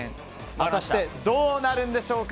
果たしてどうなるんでしょうか。